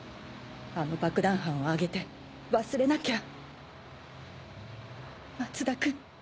あの爆弾犯を挙げて忘れなきゃ